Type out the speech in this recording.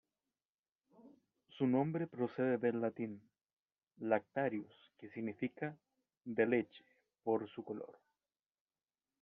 Su nombre procede del latín "lactarius", que significa "de leche", por su color.